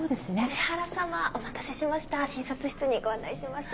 上原様お待たせしました診察室にご案内します。